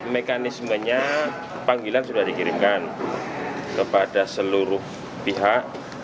mekanismenya panggilan sudah dikirimkan kepada seluruh pihak